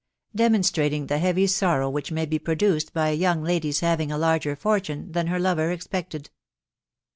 DEMONSTRATING THE HEAVY SORROW WHICH MAT BE PRODUCED BY A YOUNG LADY'S HAVING A LARGER FORTUNE THAN HER LOVER EXPECTED.